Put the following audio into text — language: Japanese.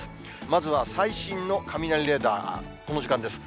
まずは最新の雷レーダー、この時間です。